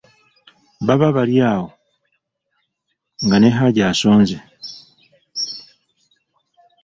Baba bali awo nga ne Haji asonze.